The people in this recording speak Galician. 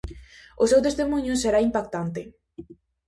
O seu testemuño será impactante.